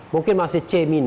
mungkin masih c